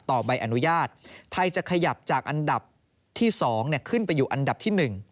ใบอนุญาตไทยจะขยับจากอันดับที่๒ขึ้นไปอยู่อันดับที่๑